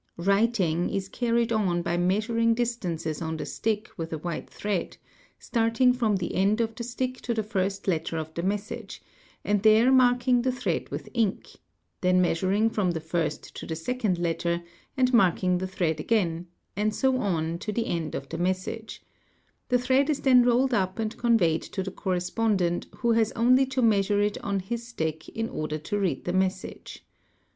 '"' Writing"' is carried on by measuring distances on the stick with a white thread, starting from the end of the stick to the first letter of the message and there marking _ the thread with ink, then measuring from the first to the second letter, and marking the thread again, and so on to the end of the message; the thread is then rolled up and conveyed to the correspondent who has only _ to measure it on his stick in order to read the message.